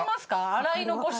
洗い残し。